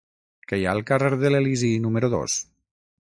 Què hi ha al carrer de l'Elisi número dos?